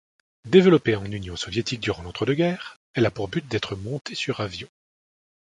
Développée en union soviétique durant l'entre-deux-guerres, elle a pour but d'être montée sur avion.